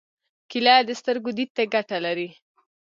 کېله د سترګو دید ته ګټه لري.